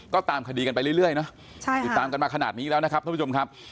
ก็ตามคดีกันไปเรื่อยนะติดตามกันมาขนาดนี้แล้วนะครับท่านผู้ชมครับ